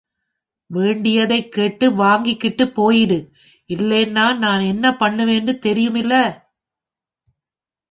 வேண்டியதைக் கேட்டு வாங்கிக்கிட்டுப் போயிடு இல்லேன்னா நான் என்ன பண்ணுவேன் தெரியுமில்லே?